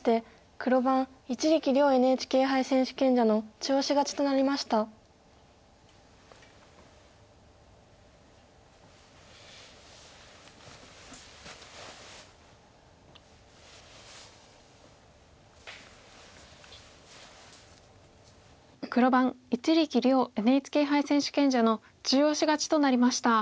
黒番一力遼ＮＨＫ杯選手権者の中押し勝ちとなりました。